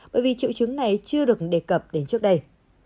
bởi vì triệu chứng này chưa được đề cập đến trước đây